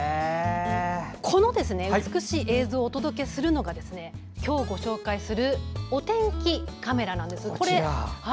この美しい映像をお届けするのが今日ご紹介するお天気カメラです。